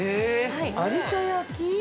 ◆有田焼？